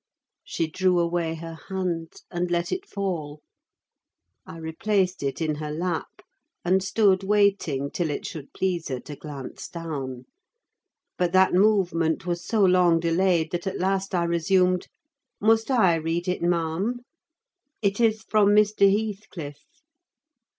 She drew away her hand, and let it fall. I replaced it in her lap, and stood waiting till it should please her to glance down; but that movement was so long delayed that at last I resumed—"Must I read it, ma'am? It is from Mr. Heathcliff."